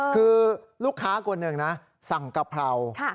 คือลูกค้าคนหนึ่งนะสั่งกะเพรา